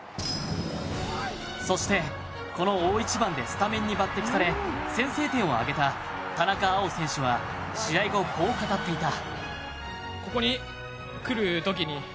そして、この大一番でスタメンに抜てきされ先制点を挙げた田中碧選手は試合後、こう語っていた。